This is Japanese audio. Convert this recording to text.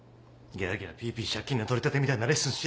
ギャーギャーピーピー借金の取り立てみたいなレッスンしやがって。